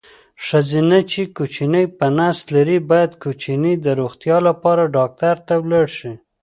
ښځېنه چې کوچینی په نس لري باید کوچیني د روغتیا لپاره ډاکټر ولاړ شي.